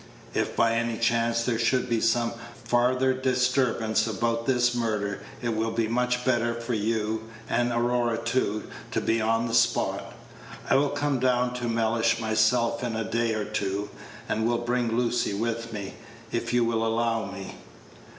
If by any chance there should be some farther disturbance about this murder, it will be much better for you, and Aurora too, to be on the spot. I will come down to Mellish myself in a day or two, and will bring Lucy with me, if you will allow me."